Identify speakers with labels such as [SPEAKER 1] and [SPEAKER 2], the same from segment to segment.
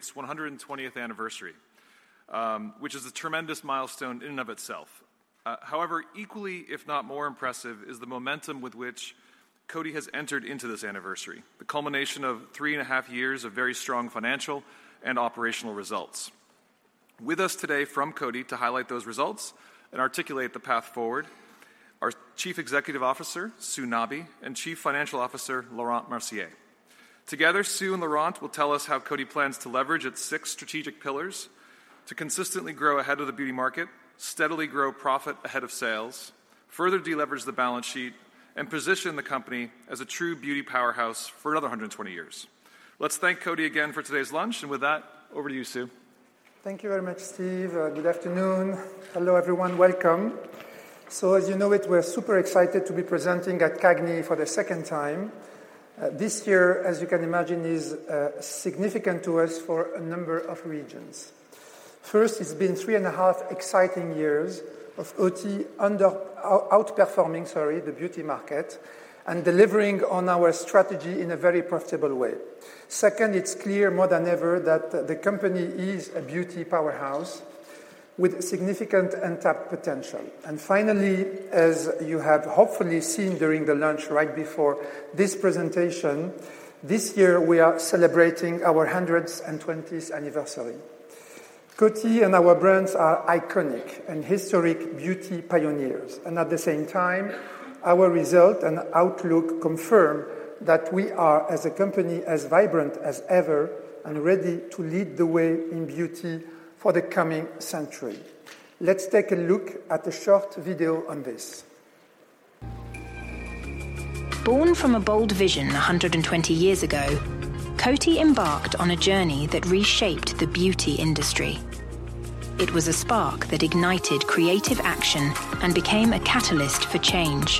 [SPEAKER 1] It's 120th anniversary, which is a tremendous milestone in and of itself. However, equally, if not more, impressive is the momentum with which Coty has entered into this anniversary, the culmination of three and a half years of very strong financial and operational results. With us today from Coty to highlight those results and articulate the path forward are Chief Executive Officer Sue Nabi and Chief Financial Officer Laurent Mercier. Together, Sue and Laurent will tell us how Coty plans to leverage its six strategic pillars to consistently grow ahead of the beauty market, steadily grow profit ahead of sales, further deleverage the balance sheet, and position the company as a true beauty powerhouse for another 120 years. Let's thank Coty again for today's lunch, and with that, over to you, Sue.
[SPEAKER 2] Thank you very much, Steve. Good afternoon. Hello everyone. Welcome. So as you know, we're super excited to be presenting at CAGNY for the second time. This year, as you can imagine, is significant to us for a number of reasons. First, it's been three and a half exciting years of Coty outperforming, sorry, the beauty market and delivering on our strategy in a very profitable way. Second, it's clear more than ever that the company is a beauty powerhouse with significant untapped potential. And finally, as you have hopefully seen during the lunch right before this presentation, this year we are celebrating our 120th anniversary. Coty and our brands are iconic and historic beauty pioneers, and at the same time, our result and outlook confirm that we are, as a company, as vibrant as ever and ready to lead the way in beauty for the coming century. Let's take a look at a short video on this.
[SPEAKER 3] Born from a bold vision 120 years ago, Coty embarked on a journey that reshaped the beauty industry. It was a spark that ignited creative action and became a catalyst for change.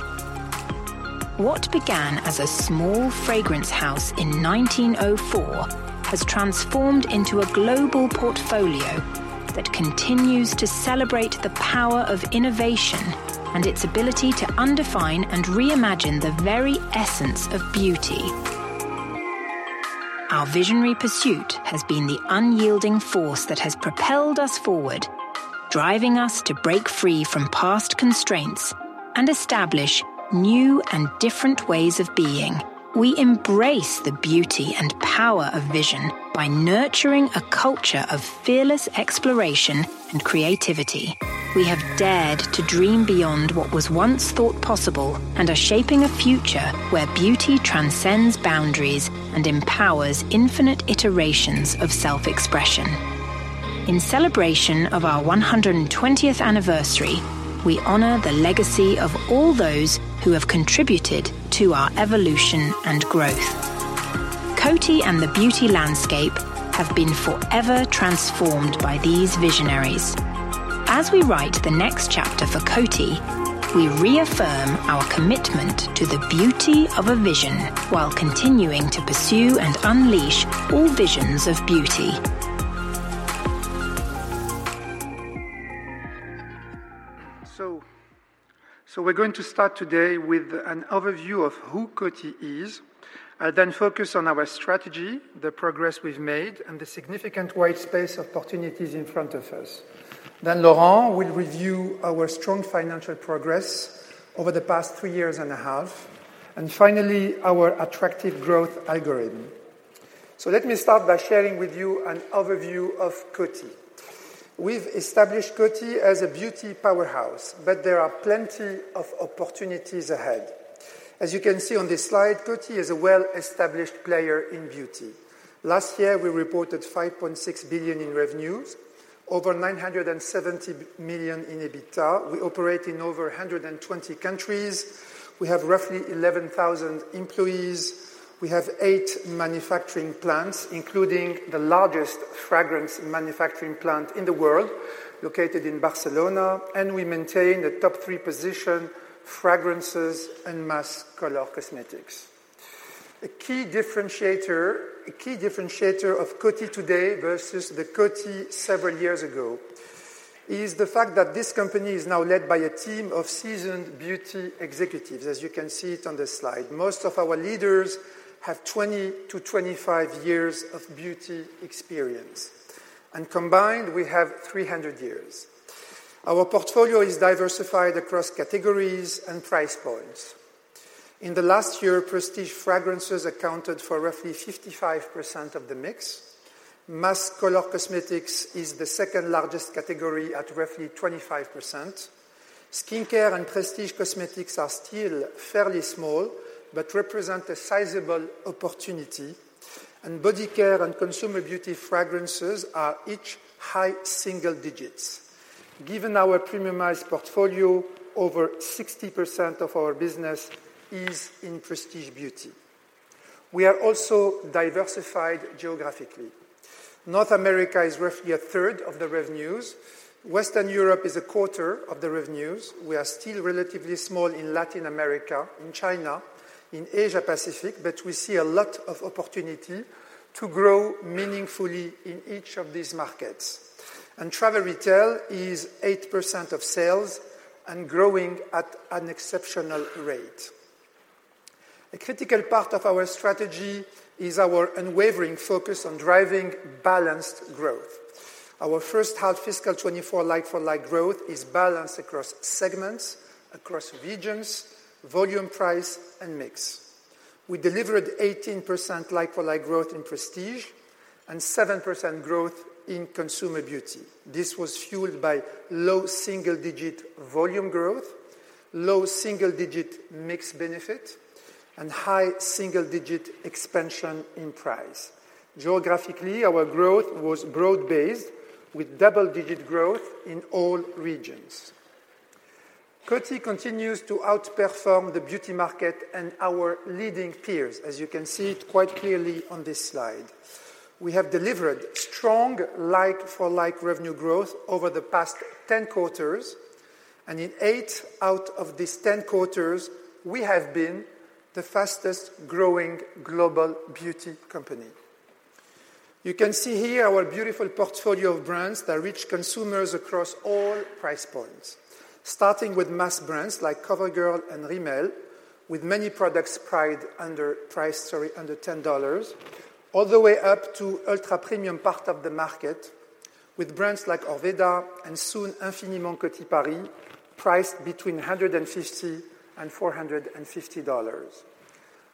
[SPEAKER 3] What began as a small fragrance house in 1904 has transformed into a global portfolio that continues to celebrate the power of innovation and its ability to undefine and reimagine the very essence of beauty. Our visionary pursuit has been the unyielding force that has propelled us forward, driving us to break free from past constraints and establish new and different ways of being. We embrace the beauty and power of vision by nurturing a culture of fearless exploration and creativity. We have dared to dream beyond what was once thought possible and are shaping a future where beauty transcends boundaries and empowers infinite iterations of self-expression. In celebration of our 120th anniversary, we honor the legacy of all those who have contributed to our evolution and growth. Coty and the beauty landscape have been forever transformed by these visionaries. As we write the next chapter for Coty, we reaffirm our commitment to the beauty of a vision while continuing to pursue and unleash all visions of beauty.
[SPEAKER 2] So we're going to start today with an overview of who Coty is, then focus on our strategy, the progress we've made, and the significant white space opportunities in front of us. Then Laurent will review our strong financial progress over the past three years and a half, and finally, our attractive growth algorithm. So let me start by sharing with you an overview of Coty. We've established Coty as a beauty powerhouse, but there are plenty of opportunities ahead. As you can see on this slide, Coty is a well-established player in beauty. Last year, we reported $5.6 billion in revenues, over $970 million in EBITDA. We operate in over 120 countries. We have roughly 11,000 employees. We have eight manufacturing plants, including the largest fragrance manufacturing plant in the world located in Barcelona, and we maintain the top three position, fragrances and mass color cosmetics. A key differentiator of Coty today versus the Coty several years ago is the fact that this company is now led by a team of seasoned beauty executives, as you can see it on the slide. Most of our leaders have 20-25 years of beauty experience, and combined, we have 300 years. Our portfolio is diversified across categories and price points. In the last year, Prestige Fragrances accounted for roughly 55% of the mix. Mass color cosmetics is the second largest category at roughly 25%. Skincare and Prestige Cosmetics are still fairly small but represent a sizable opportunity, and body care and Consumer Beauty fragrances are each high single digits. Given our premiumized portfolio, over 60% of our business is in Prestige Beauty. We are also diversified geographically. North America is roughly a third of the revenues. Western Europe is a quarter of the revenues. We are still relatively small in Latin America, in China, in Asia-Pacific, but we see a lot of opportunity to grow meaningfully in each of these markets. And travel retail is 8% of sales and growing at an exceptional rate. A critical part of our strategy is our unwavering focus on driving balanced growth. Our first-half fiscal 2024 like-for-like growth is balanced across segments, across regions, volume, price, and mix. We delivered 18% like-for-like growth in Prestige and 7% growth in Consumer Beauty. This was fueled by low single-digit volume growth, low single-digit mix benefit, and high single-digit expansion in price. Geographically, our growth was broad-based with double-digit growth in all regions. Coty continues to outperform the beauty market and our leading peers, as you can see it quite clearly on this slide. We have delivered strong like-for-like revenue growth over the past 10 quarters, and in eight out of these 10 quarters, we have been the fastest-growing global beauty company. You can see here our beautiful portfolio of brands that reach consumers across all price points, starting with mass brands like CoverGirl and Rimmel, with many products priced under $10, all the way up to ultra-premium part of the market, with brands like Orveda and soon Infiniment Coty Paris, priced between $150-$450.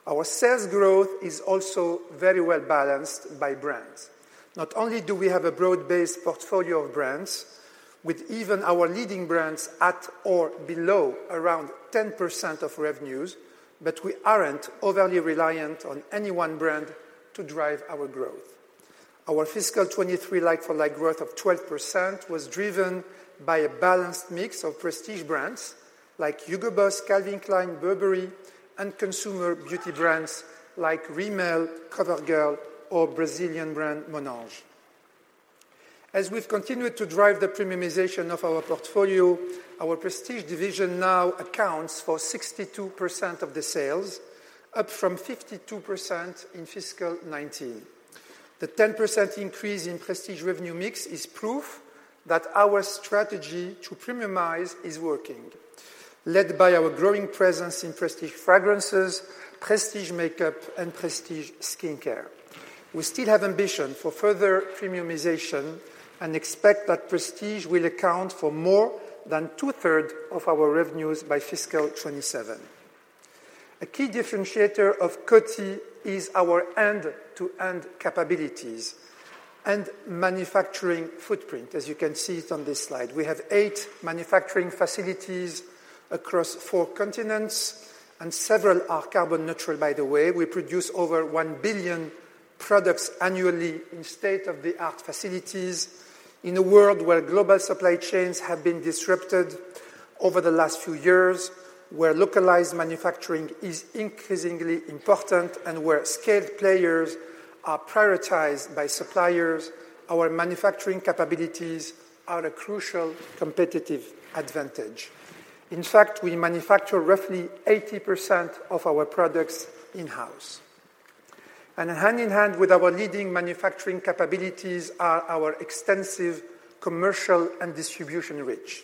[SPEAKER 2] Our sales growth is also very well balanced by brands. Not only do we have a broad-based portfolio of brands, with even our leading brands at or below around 10% of revenues, but we aren't overly reliant on any one brand to drive our growth. Our fiscal 2023 like-for-like growth of 12% was driven by a balanced mix of Prestige brands like Hugo Boss, Calvin Klein, Burberry, and Consumer Beauty brands like Rimmel, CoverGirl, or Brazilian brand Monange. As we've continued to drive the premiumization of our portfolio, our Prestige division now accounts for 62% of the sales, up from 52% in fiscal 2019. The 10% increase in Prestige revenue mix is proof that our strategy to premiumize is working, led by our growing presence in Prestige Fragrances, Prestige Makeup, and Prestige Skincare. We still have ambition for further premiumization and expect that Prestige will account for more than two-thirds of our revenues by fiscal 2027. A key differentiator of Coty is our end-to-end capabilities and manufacturing footprint, as you can see it on this slide. We have eight manufacturing facilities across four continents, and several are carbon neutral, by the way. We produce over 1 billion products annually in state-of-the-art facilities in a world where global supply chains have been disrupted over the last few years, where localized manufacturing is increasingly important, and where scaled players are prioritized by suppliers. Our manufacturing capabilities are a crucial competitive advantage. In fact, we manufacture roughly 80% of our products in-house. Hand in hand with our leading manufacturing capabilities are our extensive commercial and distribution reach.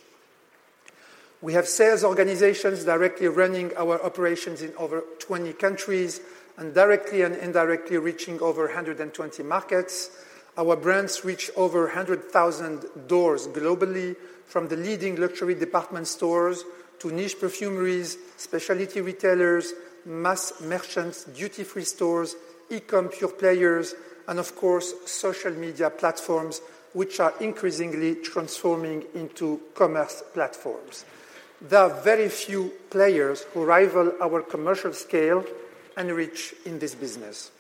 [SPEAKER 2] We have sales organizations directly running our operations in over 20 countries and directly and indirectly reaching over 120 markets. Our brands reach over 100,000 doors globally, from the leading luxury department stores to niche perfumeries, specialty retailers, mass merchants, duty-free stores, e-com pure players, and, of course, social media platforms, which are increasingly transforming into commerce platforms. There are very few players who rival our commercial scale and reach in this business.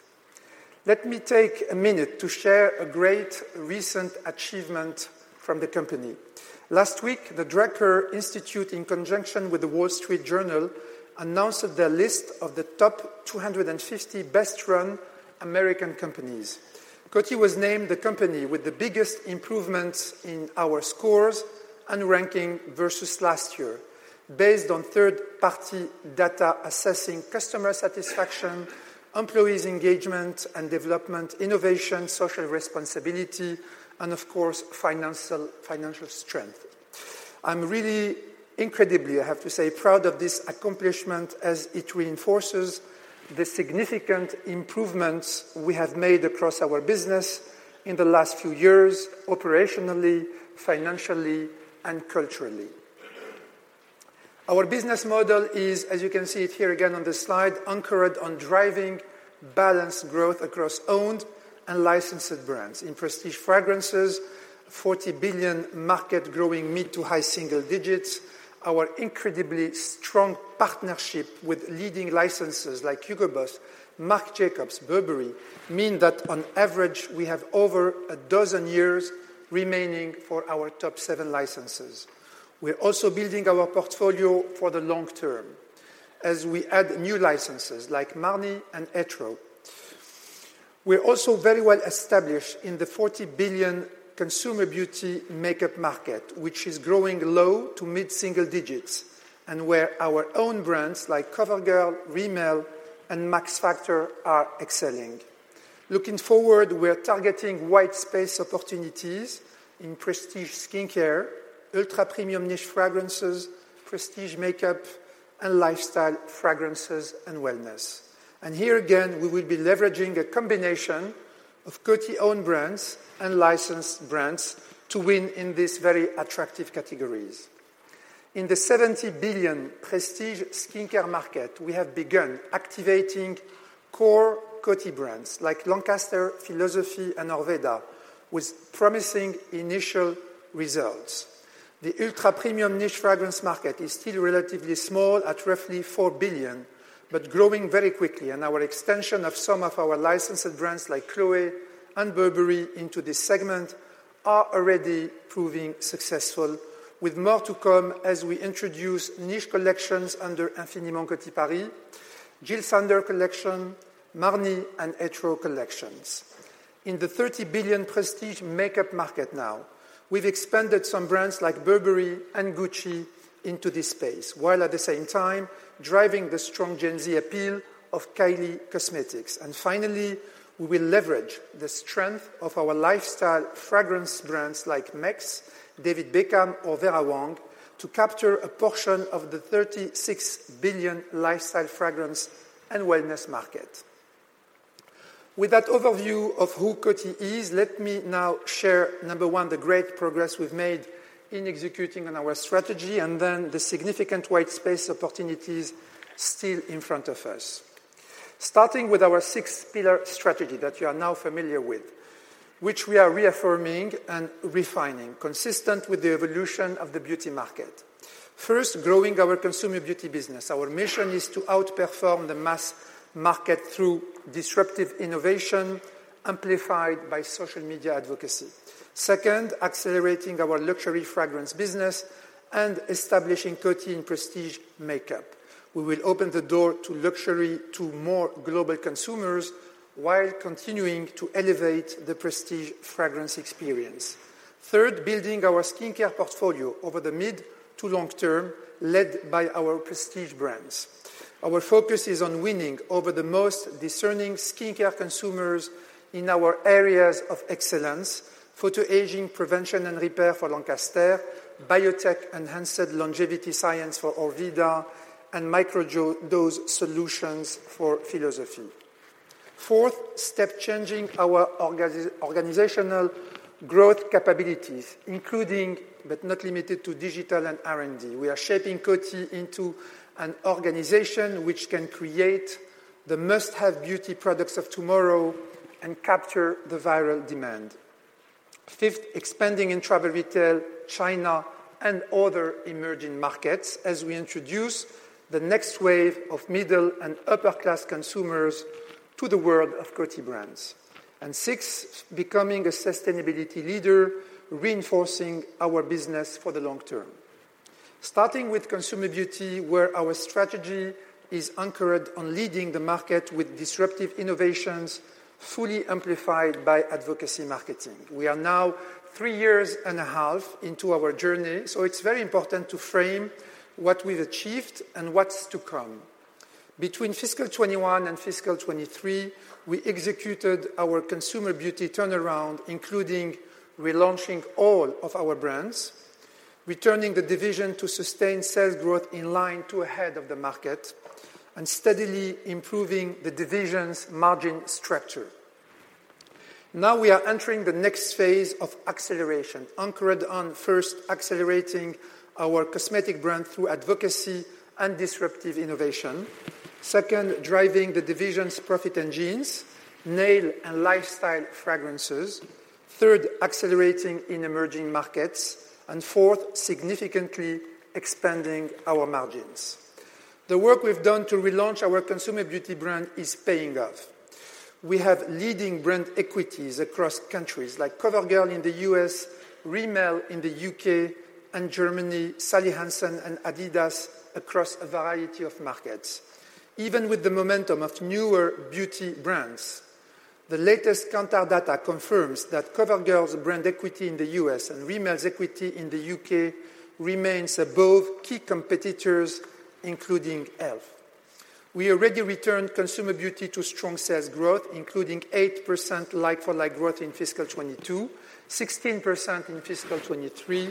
[SPEAKER 2] Let me take a minute to share a great recent achievement from the company. Last week, the Drucker Institute, in conjunction with The Wall Street Journal, announced their list of the top 250 best-run American companies. Coty was named the company with the biggest improvements in our scores and ranking versus last year, based on third-party data assessing customer satisfaction, employees' engagement and development, innovation, social responsibility, and, of course, financial strength. I'm really incredibly, I have to say, proud of this accomplishment as it reinforces the significant improvements we have made across our business in the last few years, operationally, financially, and culturally. Our business model is, as you can see it here again on this slide, anchored on driving balanced growth across owned and licensed brands. In Prestige Fragrances, $40 billion market-growing mid- to high-single digits. Our incredibly strong partnership with leading licenses like Hugo Boss, Marc Jacobs, Burberry means that, on average, we have over a dozen years remaining for our top seven licenses. We're also building our portfolio for the long-term as we add new licenses like Marni and Etro. We're also very well established in the $40 billion Consumer Beauty makeup market, which is growing low to mid-single digits and where our own brands like CoverGirl, Rimmel, and Max Factor are excelling. Looking forward, we're targeting white space opportunities in Prestige Skincare, ultra-premium niche fragrances, Prestige Makeup, and lifestyle fragrances and wellness. And here again, we will be leveraging a combination of Coty owned brands and licensed brands to win in these very attractive categories. In the $70 billion Prestige Skincare market, we have begun activating core Coty brands like Lancaster, Philosophy, and Orveda with promising initial results. The ultra-premium niche fragrance market is still relatively small at roughly $4 billion but growing very quickly, and our extension of some of our licensed brands like Chloé and Burberry into this segment are already proving successful, with more to come as we introduce niche collections under Infiniment Coty Paris, Jil Sander Collection, Marni, and Etro Collections. In the $30 billion Prestige Makeup market now, we've expanded some brands like Burberry and Gucci into this space while at the same time driving the strong Gen Z appeal of Kylie Cosmetics. And finally, we will leverage the strength of our lifestyle fragrance brands like Mexx, David Beckham, or Vera Wang to capture a portion of the $36 billion lifestyle fragrance and wellness market. With that overview of who Coty is, let me now share, number one, the great progress we've made in executing on our strategy and then the significant white space opportunities still in front of us, starting with our six-pillar strategy that you are now familiar with, which we are reaffirming and refining, consistent with the evolution of the beauty market. First, growing our Consumer Beauty business. Our mission is to outperform the mass market through disruptive innovation amplified by social media advocacy. Second, accelerating our luxury fragrance business and establishing Coty in Prestige Makeup. We will open the door to luxury to more global consumers while continuing to elevate the Prestige Fragrance experience. Third, building our skincare portfolio over the mid to long-term led by our Prestige brands. Our focus is on winning over the most discerning skincare consumers in our areas of excellence: photoaging prevention and repair for Lancaster, biotech-enhanced longevity science for Orveda, and microdose solutions for Philosophy. Fourth, step-changing our organizational growth capabilities, including but not limited to digital and R&D. We are shaping Coty into an organization which can create the must-have beauty products of tomorrow and capture the viral demand. Fifth, expanding in Travel Retail, China, and other emerging markets as we introduce the next wave of middle and upper-class consumers to the world of Coty brands. And sixth, becoming a sustainability leader, reinforcing our business for the long-term, starting with Consumer Beauty where our strategy is anchored on leading the market with disruptive innovations fully amplified by advocacy marketing. We are now 3.5 years into our journey, so it's very important to frame what we've achieved and what's to come. Between fiscal 2021 and fiscal 2023, we executed our Consumer Beauty turnaround, including relaunching all of our brands, returning the division to sustain sales growth in line to ahead of the market, and steadily improving the division's margin structure. Now we are entering the next phase of acceleration, anchored on, first, accelerating our cosmetic brand through advocacy and disruptive innovation. Second, driving the division's profit engines: nail and lifestyle fragrances. Third, accelerating in emerging markets. And fourth, significantly expanding our margins. The work we've done to relaunch our Consumer Beauty brand is paying off. We have leading brand equities across countries like CoverGirl in the U.S., Rimmel in the U.K., and Germany, Sally Hansen and Adidas across a variety of markets. Even with the momentum of newer beauty brands, the latest Kantar data confirms that CoverGirl's brand equity in the U.S. and Rimmel's equity in the U.K. remains above key competitors, including ELF. We already returned Consumer Beauty to strong sales growth, including 8% like-for-like growth in fiscal 2022, 16% in fiscal 2023,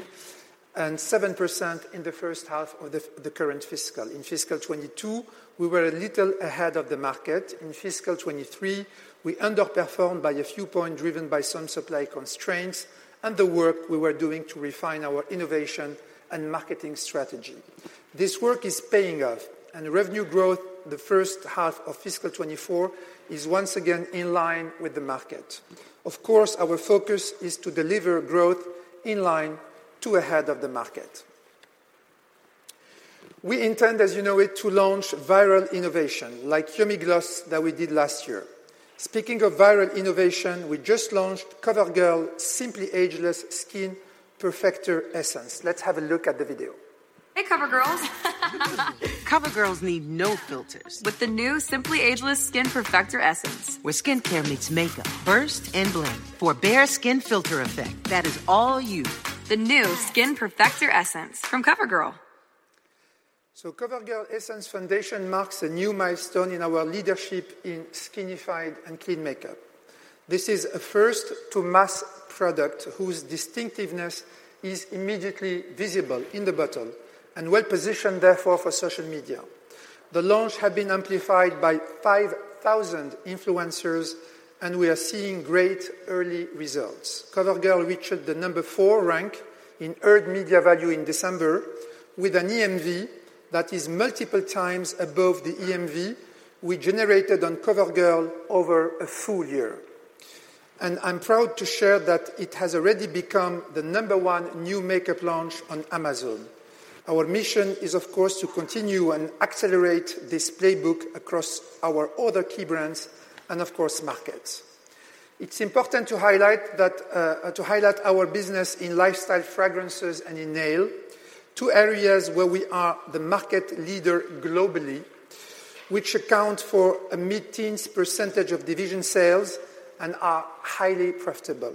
[SPEAKER 2] and 7% in the first half of the current fiscal. In fiscal 2022, we were a little ahead of the market. In fiscal 2023, we underperformed by a few points driven by some supply constraints and the work we were doing to refine our innovation and marketing strategy. This work is paying off, and revenue growth the first half of fiscal 2024 is once again in line with the market. Of course, our focus is to deliver growth in line to ahead of the market. We intend, as you know it, to launch viral innovation like Yummy Gloss that we did last year. Speaking of viral innovation, we just launched CoverGirl's Simply Ageless Skin Perfector Essence. Let's have a look at the video.
[SPEAKER 3] Hey, CoverGirls. CoverGirls need no filters. With the new Simply Ageless Skin Perfector Essence. Where skincare meets makeup. First and blend. For bare skin filter effect. That is all you. The new Skin Perfector Essence from CoverGirl.
[SPEAKER 2] So CoverGirl Essence Foundation marks a new milestone in our leadership in skinified and clean makeup. This is a first-to-mass product whose distinctiveness is immediately visible in the bottle and well-positioned, therefore, for social media. The launch has been amplified by 5,000 influencers, and we are seeing great early results. CoverGirl reached the number four rank in earned media value in December with an EMV that is multiple times above the EMV we generated on CoverGirl over a full year. And I'm proud to share that it has already become the number one new makeup launch on Amazon. Our mission is, of course, to continue and accelerate this playbook across our other key brands and, of course, markets. It's important to highlight our business in lifestyle fragrances and in nail, two areas where we are the market leader globally, which account for a mid-teens percentage of division sales and are highly profitable.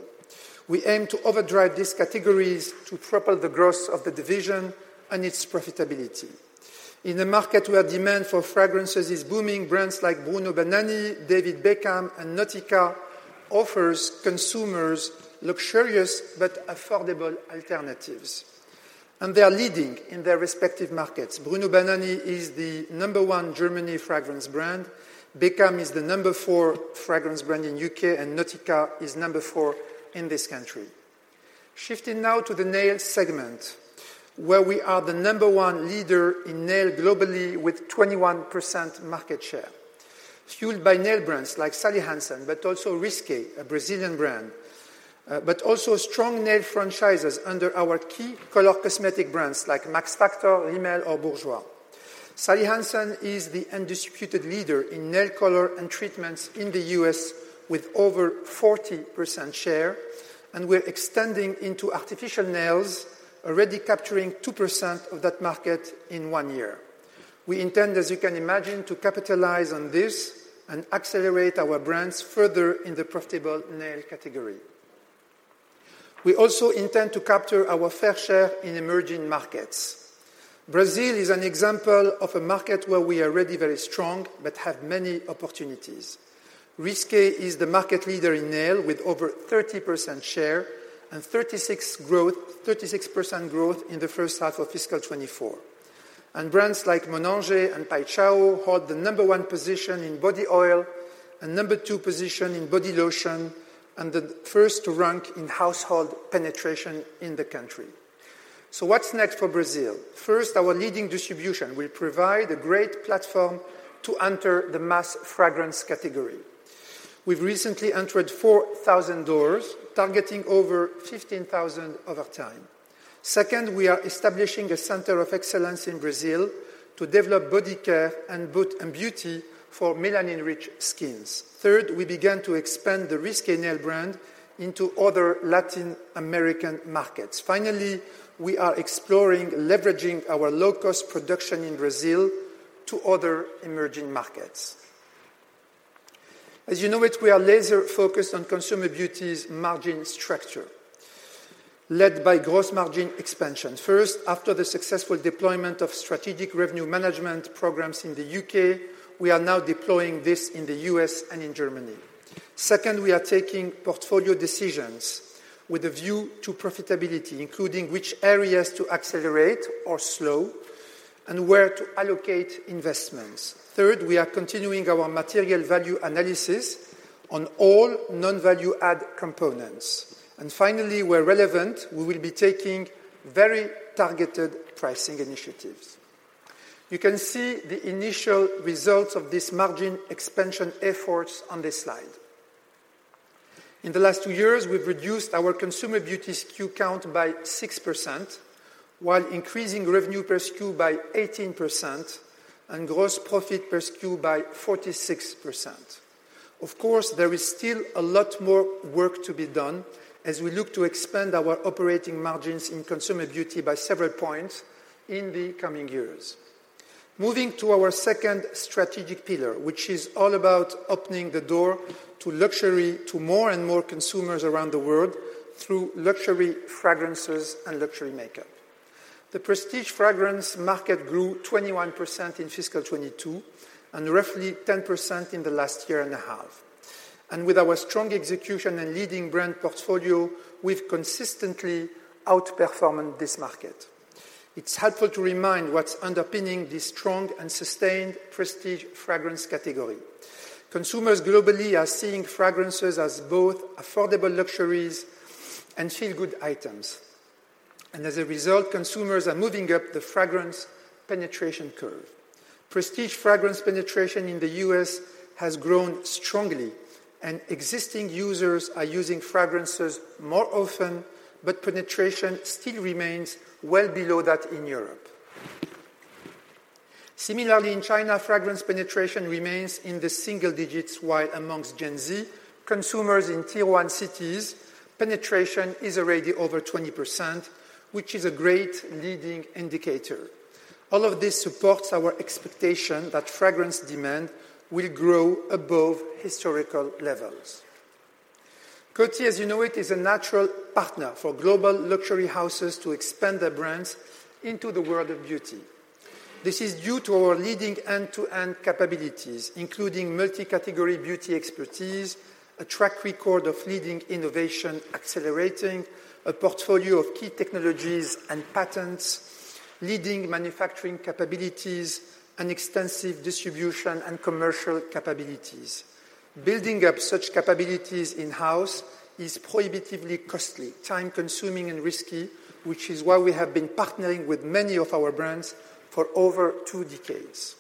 [SPEAKER 2] We aim to overdrive these categories to triple the growth of the division and its profitability. In a market where demand for fragrances is booming, brands like Bruno Banani, David Beckham, and Nautica offer consumers luxurious but affordable alternatives. And they are leading in their respective markets. Bruno Banani is the number one German fragrance brand. Beckham is the number four fragrance brand in U.K., and Nautica is number four in this country. Shifting now to the nail segment, where we are the number one leader in nail globally with 21% market share, fueled by nail brands like Sally Hansen but also Risqué, a Brazilian brand, but also strong nail franchises under our key color cosmetic brands like Max Factor, Rimmel, or Bourjois. Sally Hansen is the undisputed leader in nail color and treatments in the U.S. with over 40% share. We're extending into artificial nails, already capturing 2% of that market in one year. We intend, as you can imagine, to capitalize on this and accelerate our brands further in the profitable nail category. We also intend to capture our fair share in emerging markets. Brazil is an example of a market where we are already very strong but have many opportunities. Risqué is the market leader in nail with over 30% share and 36% growth in the first half of fiscal 2024. Brands like Monange and Paixão hold the number one position in body oil, a number two position in body lotion, and the first to rank in household penetration in the country. What's next for Brazil? First, our leading distribution will provide a great platform to enter the mass fragrance category. We've recently entered 4,000 doors, targeting over 15,000 over time. Second, we are establishing a center of excellence in Brazil to develop body care and beauty for melanin-rich skins. Third, we began to expand the Risqué nail brand into other Latin American markets. Finally, we are exploring leveraging our low-cost production in Brazil to other emerging markets. As you know it, we are laser-focused on Consumer Beauty's margin structure led by gross margin expansion. First, after the successful deployment of strategic revenue management programs in the U.K., we are now deploying this in the U.S. and in Germany. Second, we are taking portfolio decisions with a view to profitability, including which areas to accelerate or slow and where to allocate investments. Third, we are continuing our material value analysis on all non-value-add components. And finally, where relevant, we will be taking very targeted pricing initiatives. You can see the initial results of this margin expansion efforts on this slide. In the last two years, we've reduced our Consumer Beauty SKU count by 6% while increasing revenue per SKU by 18% and gross profit per SKU by 46%. Of course, there is still a lot more work to be done as we look to expand our operating margins in Consumer Beauty by several points in the coming years. Moving to our second strategic pillar, which is all about opening the door to luxury to more and more consumers around the world through luxury fragrances and luxury makeup. The Prestige Fragrance market grew 21% in fiscal 2022 and roughly 10% in the last year and a half. And with our strong execution and leading brand portfolio, we've consistently outperformed this market. It's helpful to remind what's underpinning this strong and sustained Prestige Fragrance category. Consumers globally are seeing fragrances as both affordable luxuries and feel-good items. And as a result, consumers are moving up the fragrance penetration curve. Prestige Fragrance penetration in the U.S. has grown strongly, and existing users are using fragrances more often, but penetration still remains well below that in Europe. Similarly, in China, fragrance penetration remains in the single digits, while amongst Gen Z consumers in Tier 1 cities, penetration is already over 20%, which is a great leading indicator. All of this supports our expectation that fragrance demand will grow above historical levels. Coty, as you know it, is a natural partner for global luxury houses to expand their brands into the world of beauty. This is due to our leading end-to-end capabilities, including multi-category beauty expertise, a track record of leading innovation accelerating, a portfolio of key technologies and patents, leading manufacturing capabilities, and extensive distribution and commercial capabilities. Building up such capabilities in-house is prohibitively costly, time-consuming, and risky, which is why we have been partnering with many of our brands for over two decades.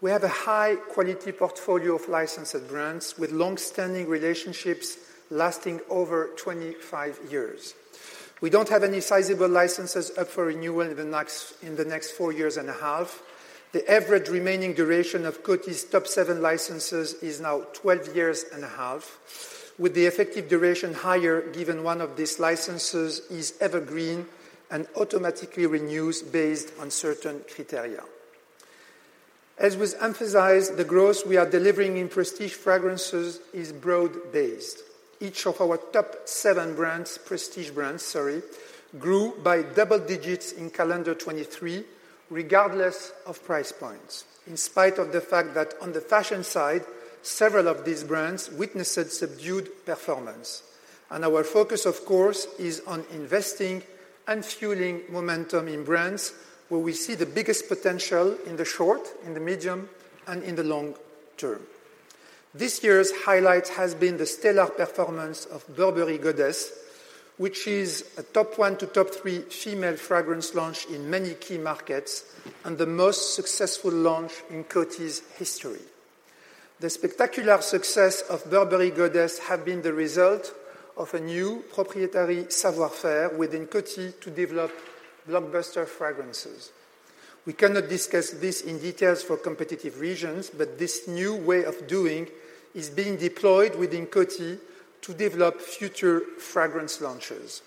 [SPEAKER 2] We have a high-quality portfolio of licensed brands with longstanding relationships lasting over 25 years. We don't have any sizable licenses up for renewal in the next four years and a half. The average remaining duration of Coty's top seven licenses is now 12 years and a half, with the effective duration higher given one of these licenses is evergreen and automatically renews based on certain criteria. As was emphasized, the growth we are delivering in Prestige Fragrances is broad-based. Each of our top seven brands, Prestige brands, sorry, grew by double digits in calendar 2023 regardless of price points, in spite of the fact that on the fashion side, several of these brands witnessed subdued performance. Our focus, of course, is on investing and fueling momentum in brands where we see the biggest potential in the short, in the medium, and in the long-term. This year's highlight has been the stellar performance of Burberry Goddess, which is a top 1-top 3 female fragrance launch in many key markets and the most successful launch in Coty's history. The spectacular success of Burberry Goddess has been the result of a new proprietary savoir-faire within Coty to develop blockbuster fragrances. We cannot discuss this in detail for competitive reasons, but this new way of doing is being deployed within Coty to develop future fragrance launches.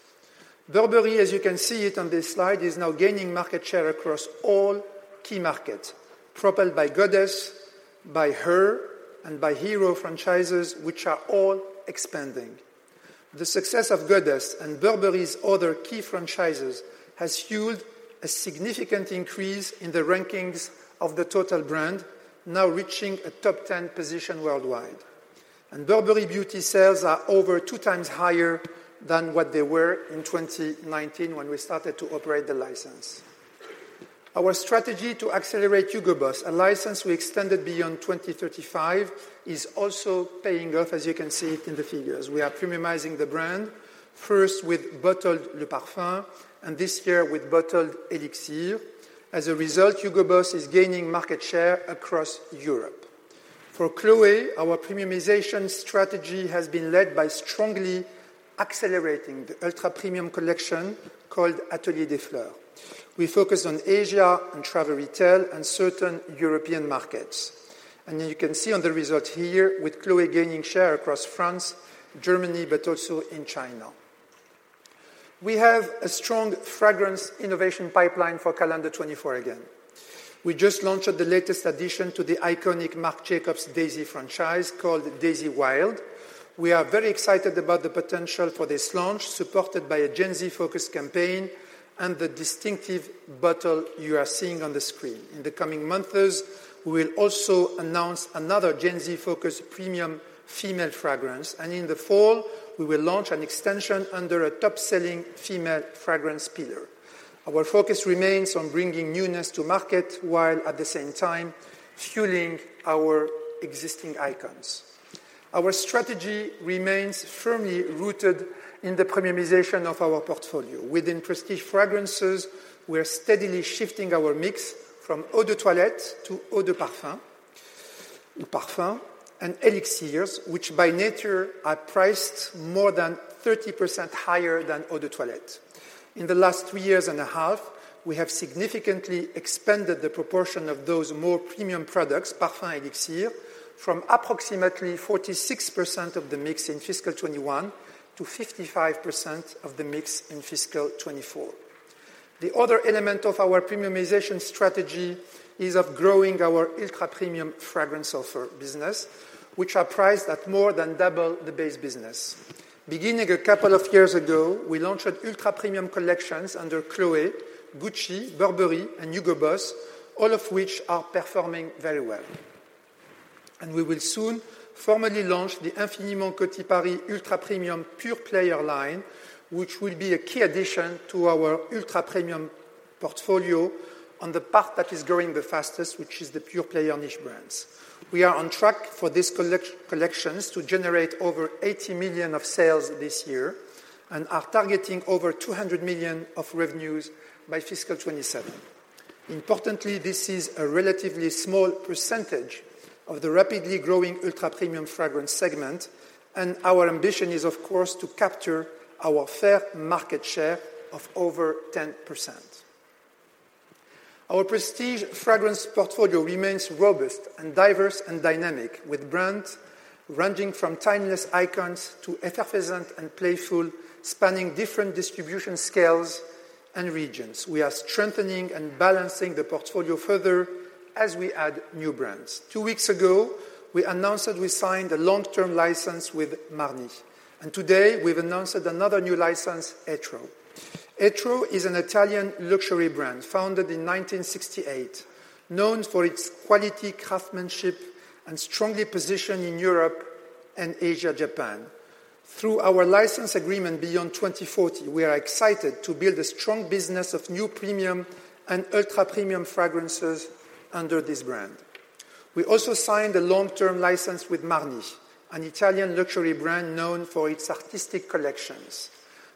[SPEAKER 2] Burberry, as you can see on this slide, is now gaining market share across all key markets, propelled by Goddess, by Her, and by Hero franchises, which are all expanding. The success of Goddess and Burberry's other key franchises has fueled a significant increase in the rankings of the total brand, now reaching a top 10 position worldwide. Burberry beauty sales are over 2x higher than what they were in 2019 when we started to operate the license. Our strategy to accelerate Hugo Boss, a license we extended beyond 2035, is also paying off, as you can see it in the figures. We are premiumizing the brand, first with Bottled Parfum, and this year with Bottled Elixir. As a result, Hugo Boss is gaining market share across Europe. For Chloé, our premiumization strategy has been led by strongly accelerating the ultra-premium collection called Atelier des Fleurs. We focus on Asia and travel retail and certain European markets. You can see on the result here with Chloé gaining share across France, Germany, but also in China. We have a strong fragrance innovation pipeline for calendar 2024 again. We just launched the latest addition to the iconic Marc Jacobs Daisy franchise called Daisy Wild. We are very excited about the potential for this launch, supported by a Gen Z-focused campaign and the distinctive bottle you are seeing on the screen. In the coming months, we will also announce another Gen Z-focused premium female fragrance. In the fall, we will launch an extension under a top-selling female fragrance pillar. Our focus remains on bringing newness to market while, at the same time, fueling our existing icons. Our strategy remains firmly rooted in the premiumization of our portfolio. Within Prestige Fragrances, we are steadily shifting our mix from Eau de Toilette to Eau de Parfum and Elixirs, which by nature are priced more than 30% higher than Eau de Toilette. In the last 3.5 years, we have significantly expanded the proportion of those more premium products, Parfum and Elixir, from approximately 46% of the mix in fiscal 2021 to 55% of the mix in fiscal 2024. The other element of our premiumization strategy is of growing our ultra-premium fragrance offer business, which are priced at more than double the base business. Beginning a couple of years ago, we launched ultra-premium collections under Chloé, Gucci, Burberry, and Hugo Boss, all of which are performing very well. We will soon formally launch the Infiniment Coty Paris ultra-premium Pure Player line, which will be a key addition to our ultra-premium portfolio on the part that is growing the fastest, which is the Pure Player niche brands. We are on track for these collections to generate over $80 million of sales this year and are targeting over $200 million of revenues by fiscal 2027. Importantly, this is a relatively small percentage of the rapidly growing ultra-premium fragrance segment. Our ambition is, of course, to capture our fair market share of over 10%. Our Prestige Fragrance portfolio remains robust and diverse and dynamic, with brands ranging from timeless icons to effervescent and playful spanning different distribution scales and regions. We are strengthening and balancing the portfolio further as we add new brands. Two weeks ago, we announced that we signed a long-term license with Marni. Today, we've announced another new license, Etro. Etro is an Italian luxury brand founded in 1968, known for its quality craftsmanship and strongly positioned in Europe and Asia-Japan. Through our license agreement beyond 2040, we are excited to build a strong business of new premium and ultra-premium fragrances under this brand. We also signed a long-term license with Marni, an Italian luxury brand known for its artistic collections.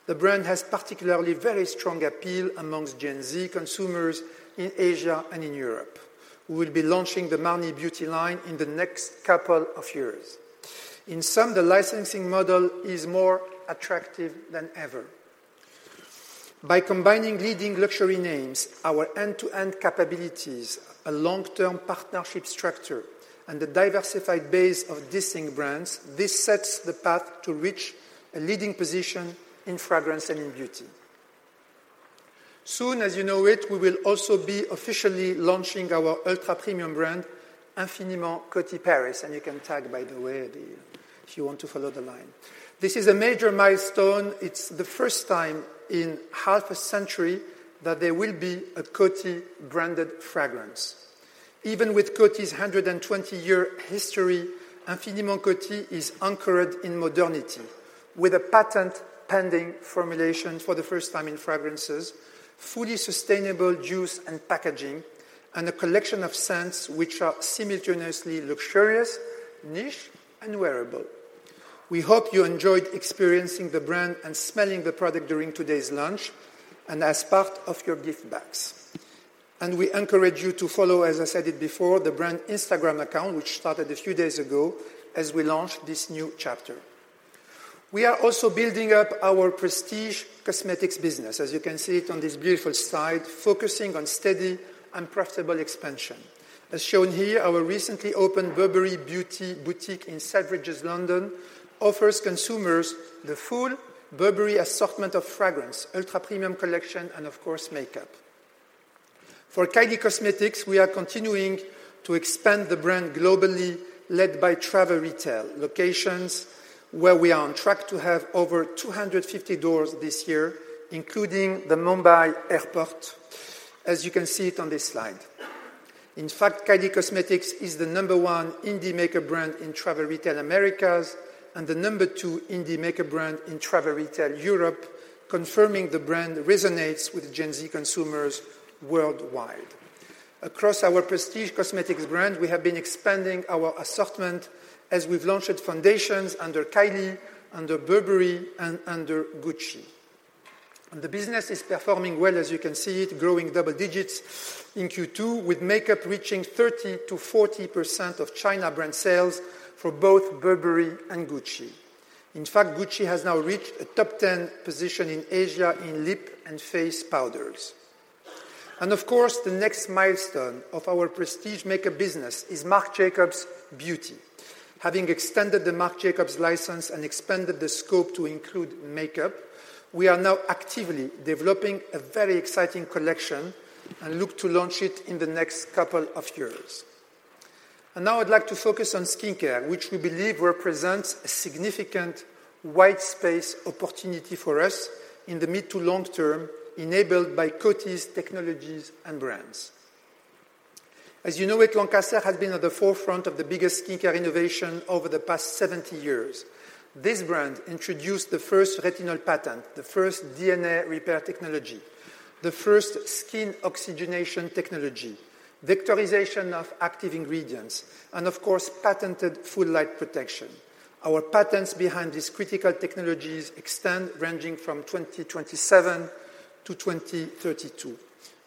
[SPEAKER 2] The brand has particularly very strong appeal amongst Gen Z consumers in Asia and in Europe. We will be launching the Marni beauty line in the next couple of years. In sum, the licensing model is more attractive than ever. By combining leading luxury names, our end-to-end capabilities, a long-term partnership structure, and a diversified base of distinct brands, this sets the path to reach a leading position in fragrance and in beauty. Soon, as you know it, we will also be officially launching our ultra-premium brand, Infiniment Coty Paris. You can tag, by the way, if you want to follow the line. This is a major milestone. It's the first time in half a century that there will be a Coty branded fragrance. Even with Coty's 120-year history, Infiniment Coty is anchored in modernity with a patent-pending formulation for the first time in fragrances, fully sustainable juice and packaging, and a collection of scents which are simultaneously luxurious, niche, and wearable. We hope you enjoyed experiencing the brand and smelling the product during today's lunch and as part of your gift box. And we encourage you to follow, as I said it before, the brand Instagram account, which started a few days ago as we launched this new chapter. We are also building up our Prestige cosmetics business, as you can see it on this beautiful slide, focusing on steady and profitable expansion. As shown here, our recently opened Burberry Beauty Boutique in Selfridges, London, offers consumers the full Burberry assortment of fragrance, ultra-premium collection, and, of course, makeup. For Kylie Cosmetics, we are continuing to expand the brand globally, led by travel retail, locations where we are on track to have over 250 doors this year, including the Mumbai airport, as you can see it on this slide. In fact, Kylie Cosmetics is the number one indie makeup brand in travel retail Americas and the number two indie makeup brand in travel retail Europe, confirming the brand resonates with Gen Z consumers worldwide. Across our Prestige cosmetics brand, we have been expanding our assortment as we've launched foundations under Kylie, under Burberry, and under Gucci. The business is performing well, as you can see it, growing double digits in Q2, with makeup reaching 30%-40% of China brand sales for both Burberry and Gucci. In fact, Gucci has now reached a top 10 position in Asia in lip and face powders. Of course, the next milestone of our Prestige makeup business is Marc Jacobs Beauty. Having extended the Marc Jacobs license and expanded the scope to include makeup, we are now actively developing a very exciting collection and look to launch it in the next couple of years. Now I'd like to focus on skincare, which we believe represents a significant white space opportunity for us in the mid to long-term, enabled by Coty's technologies and brands. As you know it, Lancaster has been at the forefront of the biggest skincare innovation over the past 70 years. This brand introduced the first retinol patent, the first DNA repair technology, the first skin oxygenation technology, vectorization of active ingredients, and, of course, patented Full Light Protection. Our patents behind these critical technologies extend ranging from 2027 to 2032.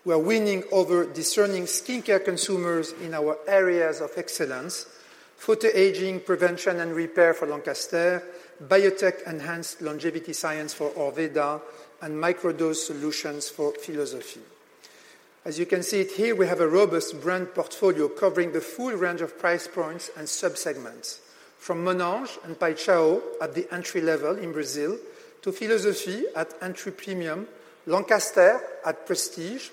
[SPEAKER 2] We are winning over discerning skincare consumers in our areas of excellence: photoaging prevention and repair for Lancaster, biotech-enhanced longevity science for Orveda, and microdose solutions for Philosophy. As you can see it here, we have a robust brand portfolio covering the full range of price points and subsegments, from Monange and Paixão at the entry level in Brazil to Philosophy at entry premium, Lancaster at prestige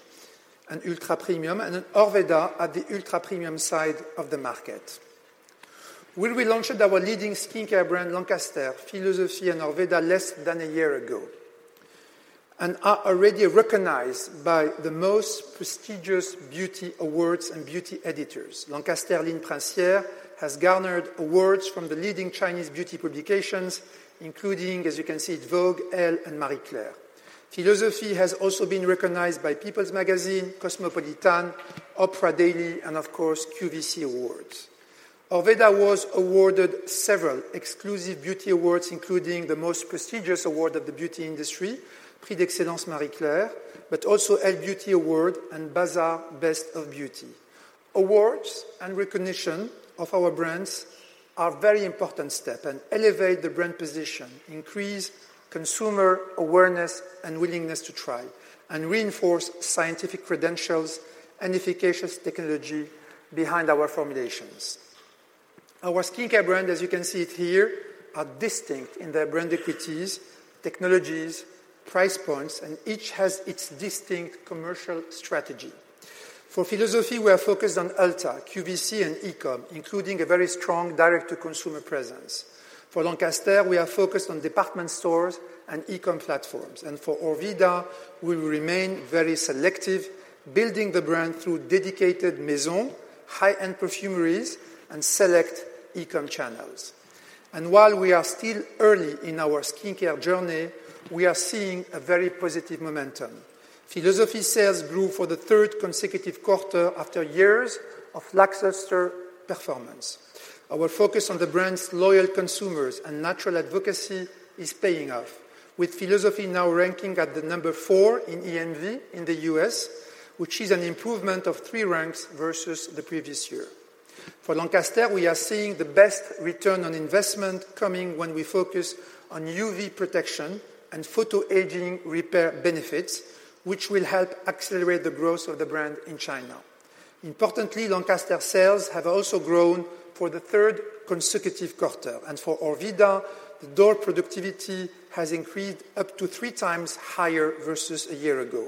[SPEAKER 2] and ultra premium, and Orveda at the ultra premium side of the market. We launched our leading skincare brand, Lancaster, Philosophy, and Orveda less than a year ago and are already recognized by the most prestigious beauty awards and beauty editors. Lancaster Ligne Princière has garnered awards from the leading Chinese beauty publications, including, as you can see it, Vogue, Elle, and Marie Claire. Philosophy has also been recognized by People Magazine, Cosmopolitan, Oprah Daily, and, of course, QVC Awards. Orveda was awarded several exclusive beauty awards, including the most prestigious award of the beauty industry, Prix d'Excellence Marie Claire, but also Elle Beauty Award and Bazaar Best of Beauty. Awards and recognition of our brands are very important steps and elevate the brand position, increase consumer awareness and willingness to try, and reinforce scientific credentials and efficacious technology behind our formulations. Our skincare brands, as you can see it here, are distinct in their brand equities, technologies, price points, and each has its distinct commercial strategy. For Philosophy, we are focused on Ulta, QVC, and e-com, including a very strong direct-to-consumer presence. For Lancaster, we are focused on department stores and e-com platforms. For Orveda, we will remain very selective, building the brand through dedicated maisons, high-end perfumeries, and select e-com channels. While we are still early in our skincare journey, we are seeing a very positive momentum. Philosophy sales grew for the third consecutive quarter after years of Lancaster performance. Our focus on the brand's loyal consumers and natural advocacy is paying off, with Philosophy now ranking at the number four in EMV in the U.S., which is an improvement of three ranks versus the previous year. For Lancaster, we are seeing the best return on investment coming when we focus on UV protection and photoaging repair benefits, which will help accelerate the growth of the brand in China. Importantly, Lancaster sales have also grown for the third consecutive quarter. For Orveda, the door productivity has increased up to 3x higher versus a year ago.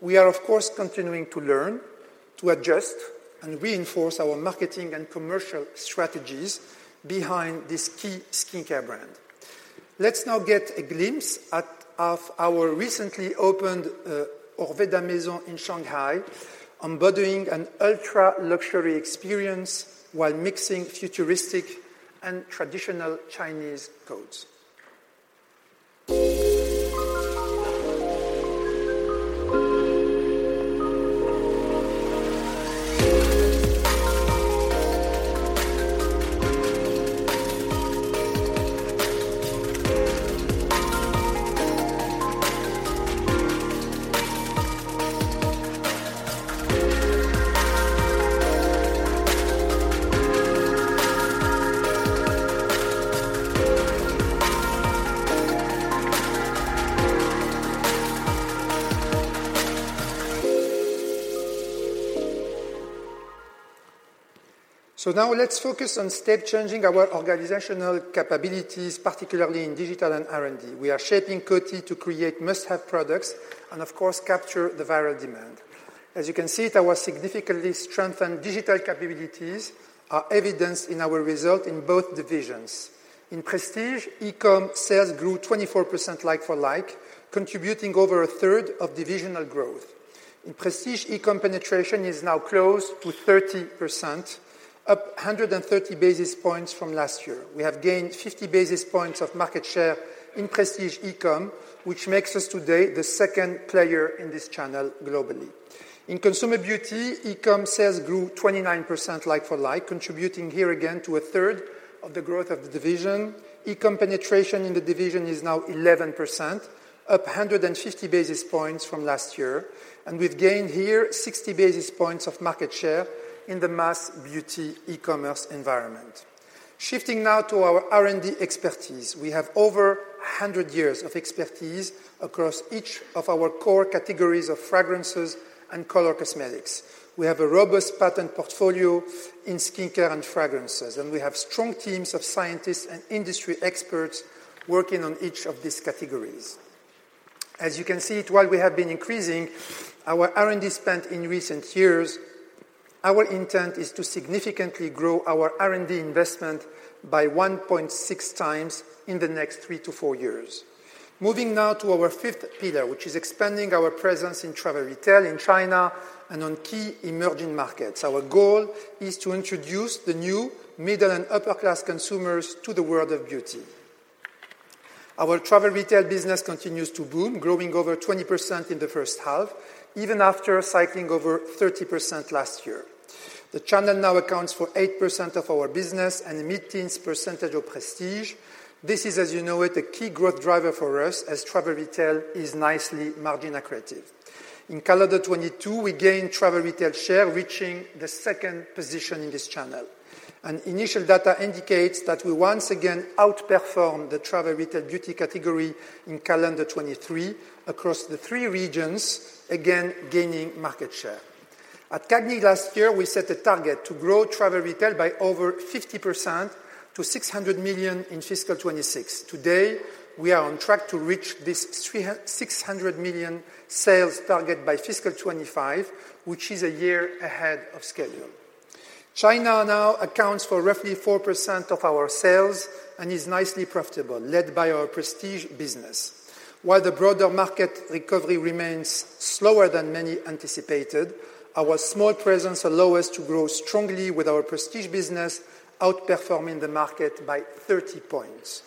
[SPEAKER 2] We are, of course, continuing to learn, to adjust, and reinforce our marketing and commercial strategies behind this key skincare brand. Let's now get a glimpse at our recently opened Orveda Maison in Shanghai, embodying an ultra-luxury experience while mixing futuristic and traditional Chinese codes. Now let's focus on step-changing our organizational capabilities, particularly in digital and R&D. We are shaping Coty to create must-have products and, of course, capture the viral demand. As you can see it, our significantly strengthened digital capabilities are evidenced in our result in both divisions. In Prestige, e-com sales grew 24% like-for-like, contributing over a third of divisional growth. In Prestige, e-com penetration is now close to 30%, up 130 basis points from last year. We have gained 50 basis points of market share in Prestige e-com, which makes us today the second player in this channel globally. In Consumer Beauty, e-com sales grew 29% like-for-like, contributing here again to a third of the growth of the division. e-com penetration in the division is now 11%, up 150 basis points from last year. We've gained here 60 basis points of market share in the mass beauty e-commerce environment. Shifting now to our R&D expertise, we have over 100 years of expertise across each of our core categories of fragrances and color cosmetics. We have a robust patent portfolio in skincare and fragrances. We have strong teams of scientists and industry experts working on each of these categories. As you can see, it, while we have been increasing our R&D spend in recent years, our intent is to significantly grow our R&D investment by 1.6x in the next three to four years. Moving now to our fifth pillar, which is expanding our presence in travel retail in China and on key emerging markets. Our goal is to introduce the new middle and upper-class consumers to the world of beauty. Our travel retail business continues to boom, growing over 20% in the first half, even after cycling over 30% last year. The channel now accounts for 8% of our business and a mid-teens percentage of Prestige. This is, as you know it, a key growth driver for us as travel retail is nicely margin accretive. In calendar 2022, we gained travel retail share, reaching the second position in this channel. Initial data indicates that we once again outperformed the travel retail beauty category in calendar 2023 across the three regions, again gaining market share. At CAGNY last year, we set a target to grow travel retail by over 50% to $600 million in fiscal 2026. Today, we are on track to reach this $600 million sales target by fiscal 2025, which is a year ahead of schedule. China now accounts for roughly 4% of our sales and is nicely profitable, led by our Prestige business. While the broader market recovery remains slower than many anticipated, our small presence allows us to grow strongly with our Prestige business, outperforming the market by 30 points.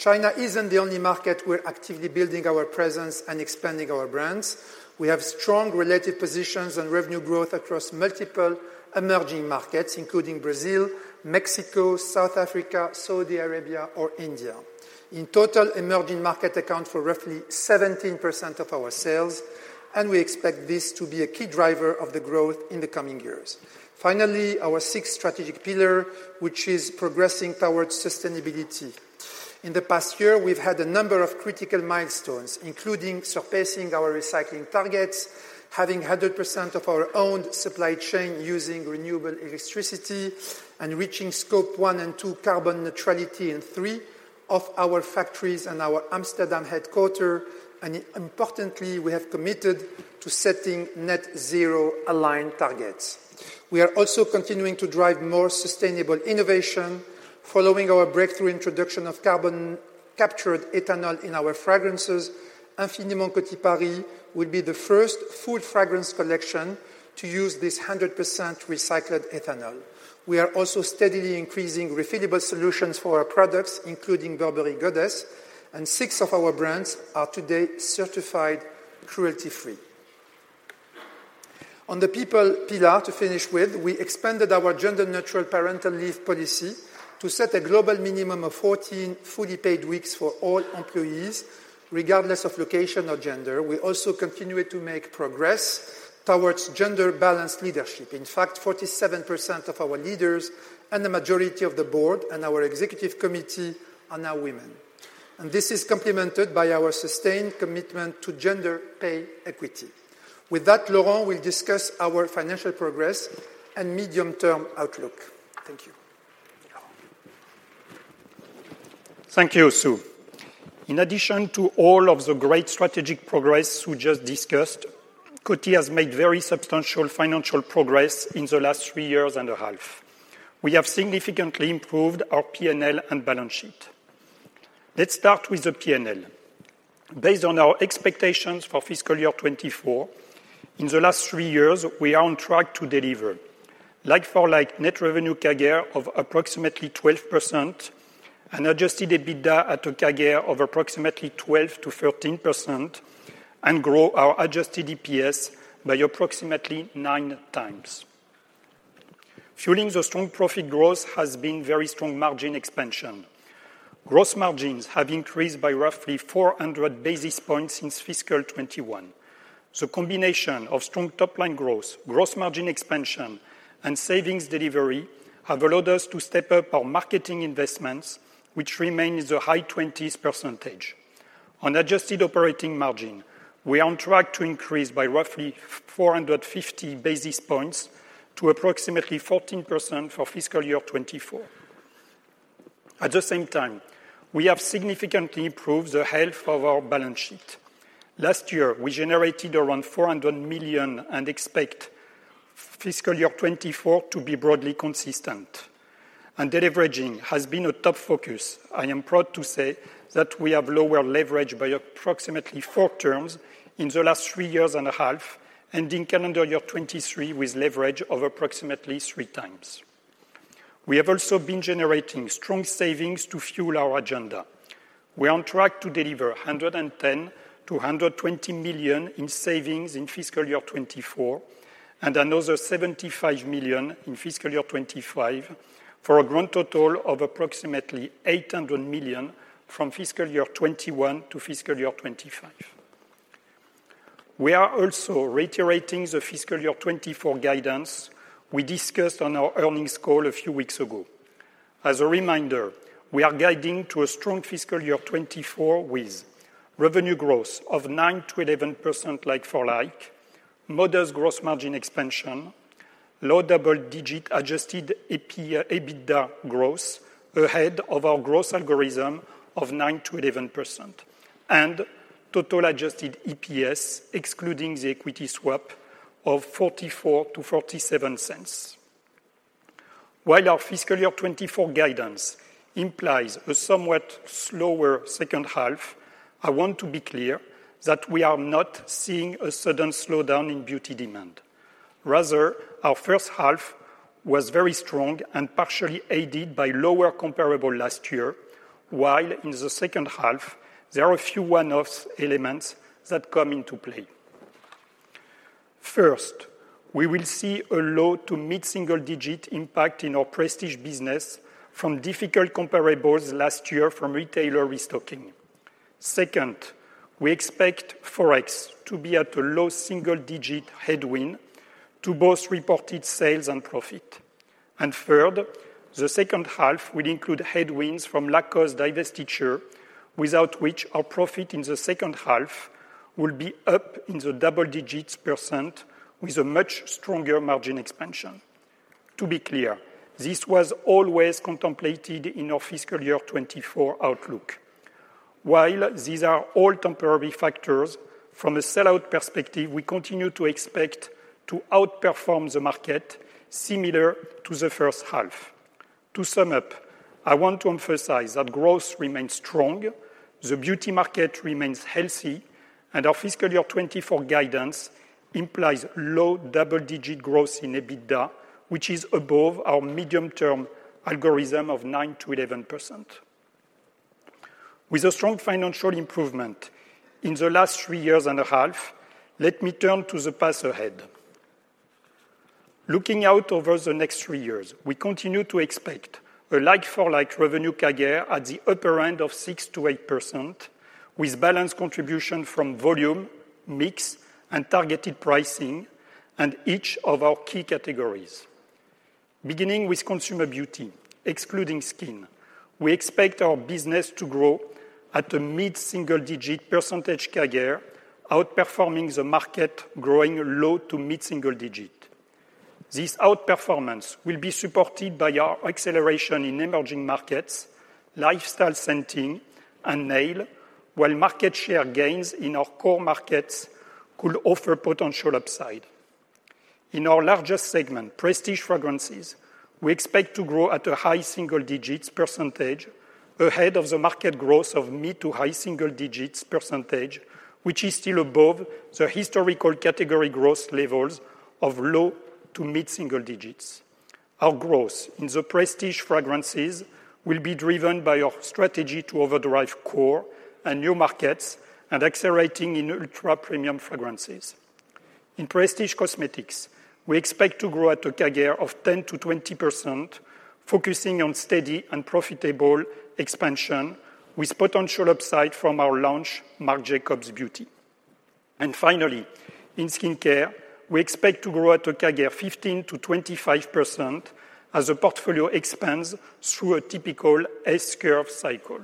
[SPEAKER 2] China isn't the only market we're actively building our presence and expanding our brands. We have strong relative positions and revenue growth across multiple emerging markets, including Brazil, Mexico, South Africa, Saudi Arabia, or India. In total, emerging markets account for roughly 17% of our sales. We expect this to be a key driver of the growth in the coming years. Finally, our sixth strategic pillar, which is progressing towards sustainability. In the past year, we've had a number of critical milestones, including surpassing our recycling targets, having 100% of our own supply chain using renewable electricity, and reaching Scope one and two carbon neutrality in three of our factories and our Amsterdam headquarters. Importantly, we have committed to setting net-zero aligned targets. We are also continuing to drive more sustainable innovation, following our breakthrough introduction of carbon-captured ethanol in our fragrances. Infiniment Coty Paris will be the first full fragrance collection to use this 100% recycled ethanol. We are also steadily increasing refillable solutions for our products, including Burberry Goddess. Six of our brands are today certified cruelty-free. On the people pillar, to finish with, we expanded our gender-neutral parental leave policy to set a global minimum of 14 fully paid weeks for all employees, regardless of location or gender. We also continue to make progress towards gender-balanced leadership. In fact, 47% of our leaders and the majority of the board and our executive committee are now women. And this is complemented by our sustained commitment to gender pay equity. With that, Laurent will discuss our financial progress and medium-term outlook. Thank you.
[SPEAKER 4] Thank you, Sue. In addition to all of the great strategic progress Sue just discussed, Coty has made very substantial financial progress in the last three years and a half. We have significantly improved our P&L and balance sheet. Let's start with the P&L. Based on our expectations for fiscal year 2024, in the last three years, we are on track to deliver like-for-like net revenue CAGR of approximately 12%, an adjusted EBITDA at a CAGR of approximately 12%-13%, and grow our adjusted EPS by approximately 9x. Fueling the strong profit growth has been very strong margin expansion. Gross margins have increased by roughly 400 basis points since fiscal 2021. The combination of strong top-line growth, gross margin expansion, and savings delivery have allowed us to step up our marketing investments, which remain in the high 20s%. On adjusted operating margin, we are on track to increase by roughly 450 basis points to approximately 14% for fiscal year 2024. At the same time, we have significantly improved the health of our balance sheet. Last year, we generated around $400 million and expect fiscal year 2024 to be broadly consistent. Debt leveraging has been a top focus. I am proud to say that we have lower leverage by approximately 4x in the last three and a half years, ending calendar year 2023 with leverage of approximately 3x. We have also been generating strong savings to fuel our agenda. We are on track to deliver $110 million-$120 million in savings in fiscal year 2024 and another $75 million in fiscal year 2025 for a grand total of approximately $800 million from fiscal year 2021 to fiscal year 2025. We are also reiterating the fiscal year 2024 guidance we discussed on our earnings call a few weeks ago. As a reminder, we are guiding to a strong fiscal 2024 with revenue growth of 9%-11% like-for-like, modest gross margin expansion, low double-digit adjusted EBITDA growth ahead of our gross algorithm of 9%-11%, and total adjusted EPS, excluding the equity swap, of $0.44-$0.47. While our fiscal 2024 guidance implies a somewhat slower second half, I want to be clear that we are not seeing a sudden slowdown in beauty demand. Rather, our first half was very strong and partially aided by lower comparables last year, while in the second half, there are a few one-off elements that come into play. First, we will see a low to mid-single-digit impact in our Prestige business from difficult comparables last year from retailer restocking. Second, we expect forex to be at a low single-digit headwind to both reported sales and profit. And third, the second half will include headwinds from Lacoste divestiture, without which our profit in the second half will be up in the double-digit % with a much stronger margin expansion. To be clear, this was always contemplated in our fiscal year 2024 outlook. While these are all temporary factors, from a sellout perspective, we continue to expect to outperform the market similar to the first half. To sum up, I want to emphasize that growth remains strong, the beauty market remains healthy, and our fiscal year 2024 guidance implies low double-digit growth in EBITDA, which is above our medium-term algorithm of 9%-11%. With a strong financial improvement in the last three years and a half, let me turn to the path ahead. Looking out over the next three years, we continue to expect a like-for-like revenue CAGR at the upper end of 6%-8% with balanced contribution from volume, mix, and targeted pricing in each of our key categories. Beginning with Consumer Beauty, excluding skin, we expect our business to grow at a mid-single-digit percentage CAGR, outperforming the market growing low to mid-single-digit. This outperformance will be supported by our acceleration in emerging markets, lifestyle scenting, and nail, while market share gains in our core markets could offer potential upside. In our largest segment, Prestige fragrances, we expect to grow at a high single-digits percentage ahead of the market growth of mid to high single-digits percentage, which is still above the historical category growth levels of low to mid-single-digits. Our growth in the Prestige fragrances will be driven by our strategy to overdrive core and new markets and accelerating in ultra-premium fragrances. In Prestige cosmetics, we expect to grow at a CAGR of 10%-20%, focusing on steady and profitable expansion with potential upside from our launch, Marc Jacobs Beauty. Finally, in skincare, we expect to grow at a CAGR of 15%-25% as the portfolio expands through a typical S-curve cycle.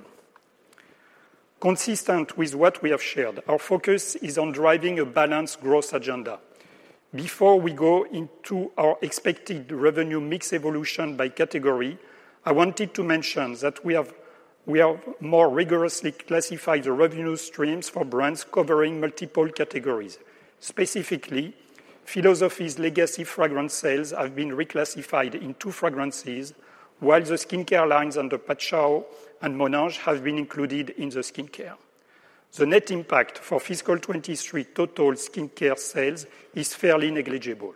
[SPEAKER 4] Consistent with what we have shared, our focus is on driving a balanced growth agenda. Before we go into our expected revenue mix evolution by category, I wanted to mention that we have more rigorously classified the revenue streams for brands covering multiple categories. Specifically, Philosophy's legacy fragrance sales have been reclassified into fragrances, while the skincare lines under Paixão and Monange have been included in the skincare. The net impact for fiscal 2023 total skincare sales is fairly negligible.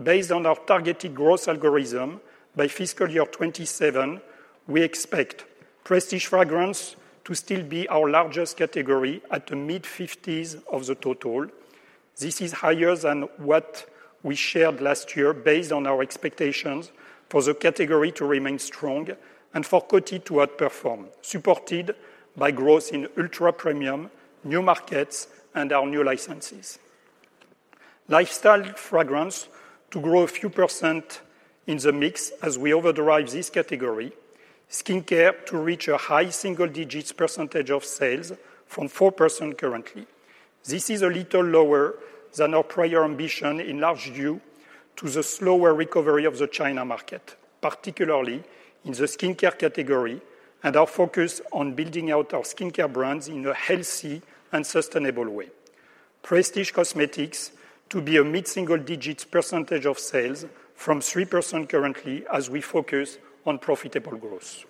[SPEAKER 4] Based on our targeted growth algorithm by fiscal year 2027, we expect Prestige fragrance to still be our largest category at the mid-50s of the total. This is higher than what we shared last year based on our expectations for the category to remain strong and for Coty to outperform, supported by growth in ultra-premium, new markets, and our new licenses. Lifestyle fragrance to grow a few % in the mix as we overdrive this category. Skincare to reach a high single-digits % of sales from 4% currently. This is a little lower than our prior ambition in large view to the slower recovery of the China market, particularly in the skincare category and our focus on building out our skincare brands in a healthy and sustainable way. Prestige cosmetics to be a mid-single-digits % of sales from 3% currently as we focus on profitable growth.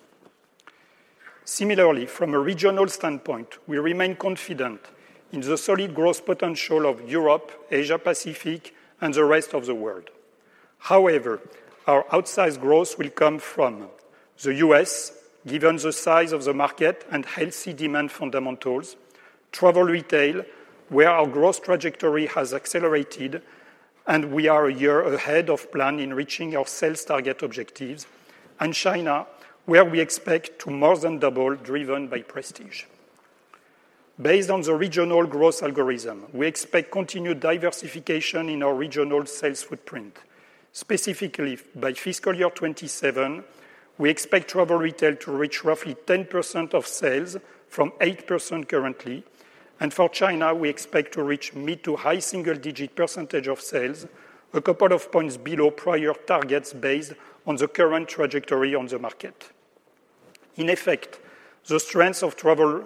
[SPEAKER 4] Similarly, from a regional standpoint, we remain confident in the solid growth potential of Europe, Asia-Pacific, and the rest of the world. However, our outsize growth will come from the U.S., given the size of the market and healthy demand fundamentals, travel retail, where our growth trajectory has accelerated and we are a year ahead of plan in reaching our sales target objectives, and China, where we expect to more than double driven by Prestige. Based on the regional growth algorithm, we expect continued diversification in our regional sales footprint. Specifically, by fiscal year 2027, we expect travel retail to reach roughly 10% of sales from 8% currently. For China, we expect to reach mid- to high-single-digit % of sales, a couple of points below prior targets based on the current trajectory on the market. In effect, the strength of travel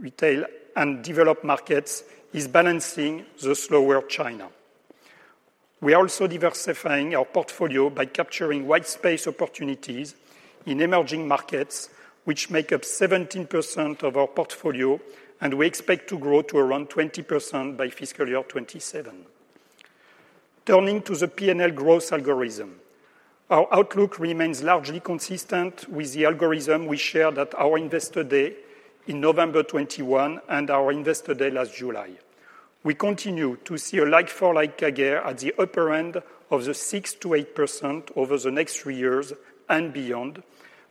[SPEAKER 4] retail and developed markets is balancing the slower China. We are also diversifying our portfolio by capturing white space opportunities in emerging markets, which make up 17% of our portfolio, and we expect to grow to around 20% by fiscal year 2027. Turning to the P&L growth algorithm, our outlook remains largely consistent with the algorithm we shared at our investor day in November 2021 and our investor day last July. We continue to see a like-for-like CAGR at the upper end of the 6%-8% over the next three years and beyond.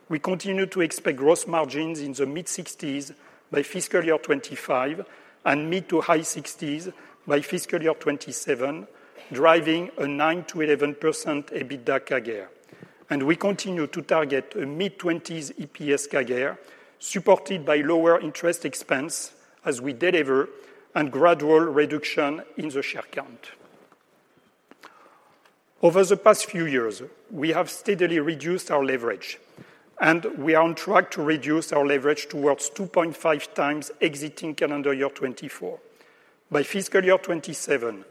[SPEAKER 4] We continue to expect gross margins in the mid-60s% by fiscal year 2025 and mid- to high-60s% by fiscal year 2027, driving a 9%-11% EBITDA CAGR. We continue to target a mid-20s% EPS CAGR supported by lower interest expense as we deliver and gradual reduction in the share count. Over the past few years, we have steadily reduced our leverage, and we are on track to reduce our leverage towards 2.5x exiting calendar year 2024. By fiscal year 2027,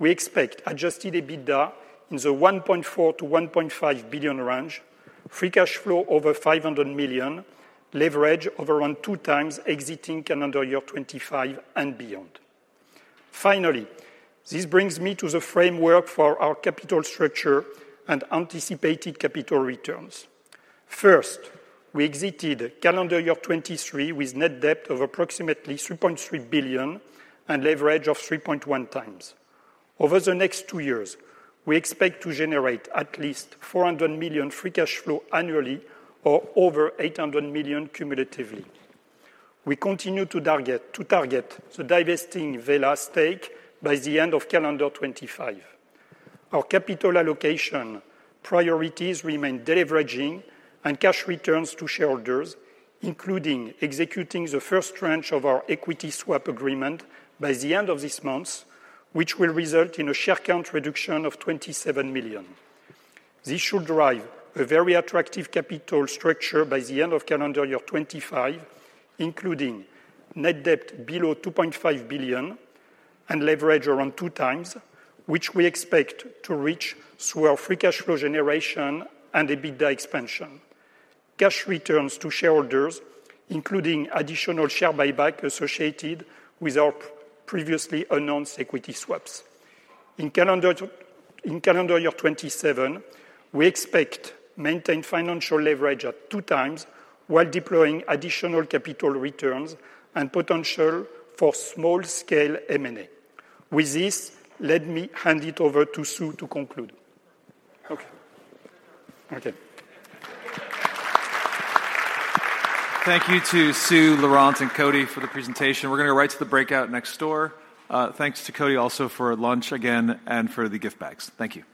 [SPEAKER 4] we expect adjusted EBITDA in the $1.4-$1.5 billion range, free cash flow over $500 million, leverage of around 2x exiting calendar year 2025 and beyond. Finally, this brings me to the framework for our capital structure and anticipated capital returns. First, we exited calendar year 2023 with net debt of approximately $3.3 billion and leverage of 3.1x. Over the next two years, we expect to generate at least $400 million free cash flow annually or over $800 million cumulatively. We continue to target the divesting Wella stake by the end of calendar 2025. Our capital allocation priorities remain deleveraging and cash returns to shareholders, including executing the first tranche of our equity swap agreement by the end of this month, which will result in a share count reduction of 27 million. This should drive a very attractive capital structure by the end of calendar year 2025, including net debt below $2.5 billion and leverage around 2x, which we expect to reach through our free cash flow generation and EBITDA expansion, cash returns to shareholders, including additional share buyback associated with our previously unwound equity swaps. In calendar year 2027, we expect maintained financial leverage at 2x while deploying additional capital returns and potential for small-scale M&A. With this, let me hand it over to Sue to conclude.
[SPEAKER 1] Thank you to Sue, Laurent, and Coty for the presentation. We're going to go right to the breakout next door. Thanks to Coty also for lunch again and for the gift bags. Thank you.